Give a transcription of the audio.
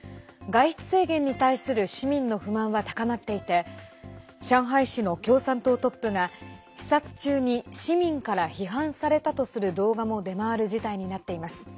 外出制限に対する市民の不満は高まっていて上海市の共産党トップが視察中に市民から批判されたとする動画も出回る事態になっています。